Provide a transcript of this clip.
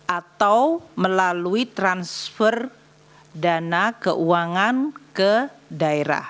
atau melalui transfer dana keuangan ke daerah